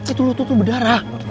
itu lu tutup berdarah